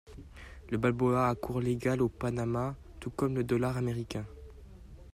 Le balboa a cours légal au Panama tout comme le dollar américain.